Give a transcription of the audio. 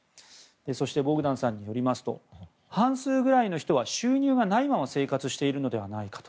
そしてボグダンさんによりますと半数ぐらいの人は収入がないまま生活しているのではないかと。